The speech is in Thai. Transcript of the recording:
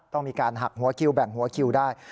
ต้องมีการหักหัวคิวแบ่งหัวคิวได้